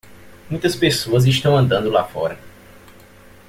Muitas pessoas estão andando lá fora.